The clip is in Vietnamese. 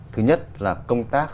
thứ nhất là công tác